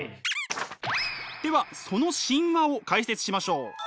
ではその神話を解説しましょう。